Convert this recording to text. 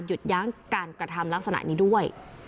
หยุดยั้งการกระทำลักษณะนี้ด้วย